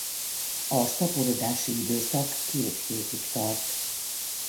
A szaporodási időszak két hétig tart.